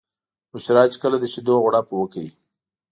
بشرا چې کله د شیدو غوړپ وکړ.